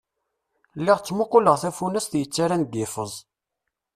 Lliɣ ttmuquleɣ tafunast yettarran deg liffeẓ.